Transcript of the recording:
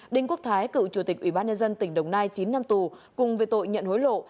đinh quốc thái cựu chủ tịch ủy ban nhân dân tỉnh đồng nai chín năm tù cùng về tội nhận hối lộ